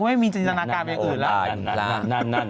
คุณแม่มีจริงจันทนาการเป็นอย่างอื่นแล้ว